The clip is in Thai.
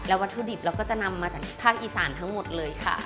วัตถุดิบเราก็จะนำมาจากภาคอีสานทั้งหมดเลยค่ะ